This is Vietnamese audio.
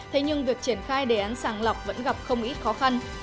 thế nhưng việc triển khai đề án sàng lọc vẫn gặp không ít khó khăn